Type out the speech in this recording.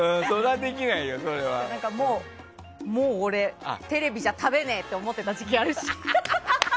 もう俺、テレビじゃ食べねえと思ってた時期あるし。